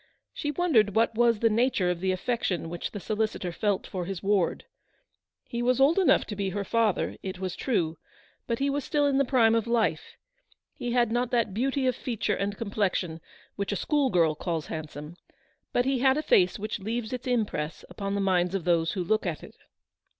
She wondered what was the nature of the affection which the solicitor felt for his ward. He was old enough to be her father, it was true, but he was still in the prime of life ; he had not that beauty of feature and complexion which a school girl calls handsome, but he had a face which leaves its impress upon the minds of those who look at it.